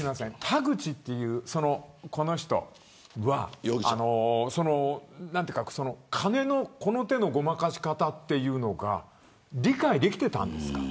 田口という、この人は金の、この手のごまかし方が理解できていたんですか。